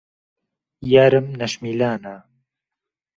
یارم نهشمیلانه